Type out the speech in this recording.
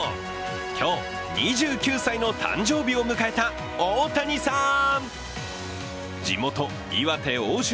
今日、２９歳の誕生日を迎えた大谷さん！